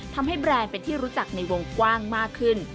แบรนด์เป็นที่รู้จักในวงกว้างมากขึ้น